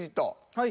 はい。